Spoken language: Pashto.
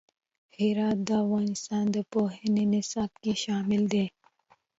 هرات د افغانستان د پوهنې نصاب کې شامل دي.